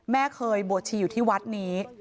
แม่เคยบวชชีอยู่ที่วัดนี้